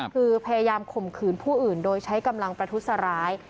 คือพยายามข่มขืนผู้อื่นโดยใช้กำลังประทุษร้าย